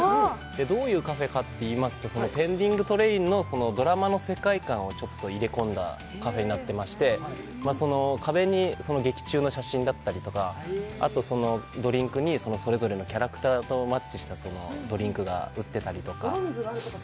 どういうカフェかといいますと「ペンディングトレイン」のドラマの世界観をちょっと入れ込んだカフェになっていまして壁に劇中の写真だったりとか、ドリンクにそれぞれのキャラクターとマッチしたドリンクが売ってたりとか。